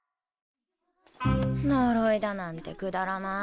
呪いだなんてくだらない。